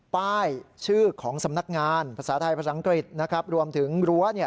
ป้ายชื่อของสำนักงานภาษาไทยภาษาอังกฤษรวมถึงรั้ว